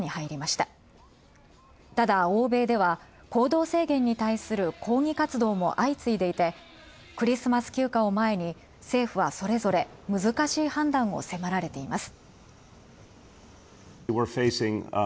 ただ欧米では、行動制限に対する抗議活動も相次いでいて、クリスマス休暇を前に政府はそれぞれ難しい判断を迫られています。